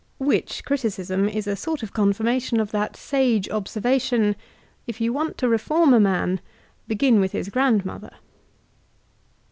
(Which criticism is a sort of confirmation of that sage observation : "If you want to reform a man, begin with iiis grandmother.'')